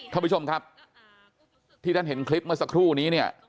ท่านผู้ชมครับที่ท่านเห็นคลิปเมื่อสักครู่นี้เนี่ย